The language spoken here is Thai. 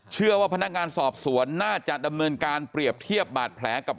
เชื่อว่าพนักงานสอบสวนน่าจะดำเนินการเปรียบเทียบบาดแผลกับ